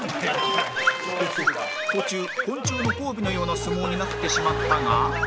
途中昆虫の交尾のような相撲になってしまったが